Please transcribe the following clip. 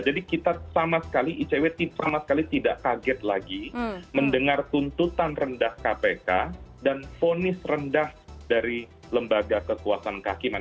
jadi kita sama sekali icw tidak kaget lagi mendengar tuntutan rendah kpk dan fonis rendah dari lembaga kekuasaan kehakiman